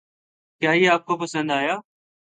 کیا یہ آپ کو پَسند آیا؟